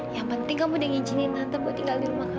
yang penting kamu udah ngizinin tante mau tinggal di rumah kamu